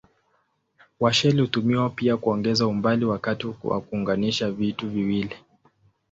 Washeli hutumiwa pia kuongeza umbali wakati wa kuunganisha vitu viwili.